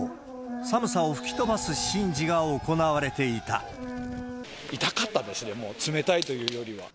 寒さを吹き飛ばす神事が行われて痛かったですね、もう冷たいというよりは。